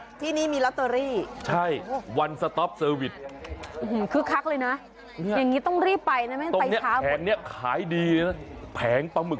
ตรงนี้ที่นี่มีลัตเตอรี่ใช่วันสต๊อปเซอร์วิทอื้อหือ